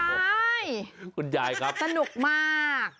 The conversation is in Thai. คุณยายคุณยายครับสนุกมาก